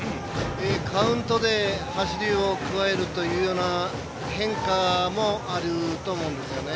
カウントで走りを加えるというような変化もあると思うんですよね。